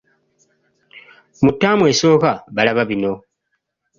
Mu ttaamu esooka balaba bino.